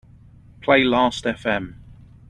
Play Lastfm.